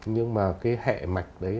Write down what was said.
nhưng mà cái hệ mạch đấy